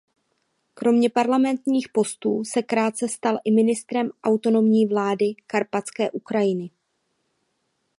Kromě parlamentních postů se krátce stal i ministrem autonomní vlády Karpatské Ukrajiny.